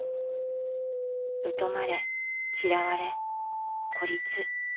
疎まれ嫌われ孤立。